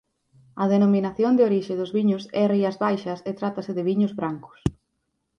A denominación de orixe dos viños é "Rías Baixas" e trátase de viños brancos.